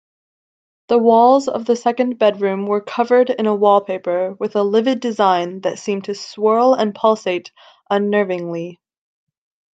The walls of the second bedroom were covered in a wallpaper with a livid design that seemed to swirl and pulsate unnervingly.